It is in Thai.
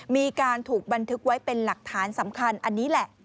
มีการถูกบันทึกไว้เป็นหลักฐานสำคัญอันนี้แหละ